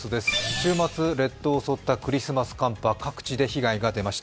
週末列島を襲ったクリスマス寒波、各地で被害が出ました。